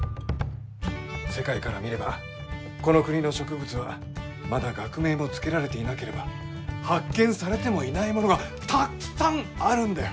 世界から見ればこの国の植物はまだ学名も付けられていなければ発見されてもいないものがたっくさんあるんだよ！